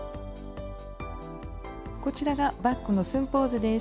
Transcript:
こちらがバッグの寸法図です。